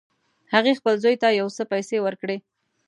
هغې خپل زوی ته یو څه پیسې ورکړې